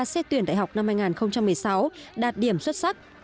xét tuyển đại học năm hai nghìn một mươi sáu đạt điểm xuất sắc